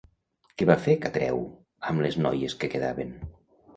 Què va fer Catreu amb les noies que quedaven?